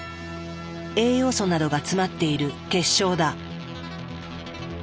栄養素などが詰まっている血しょうだ。